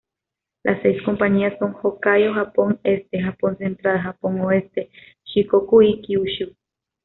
Las seis compañías son: Hokkaido, Japón Este, Japón Central, Japón Oeste, Shikoku y Kyushu.